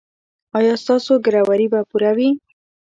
ایا ستاسو ګروي به پوره وي؟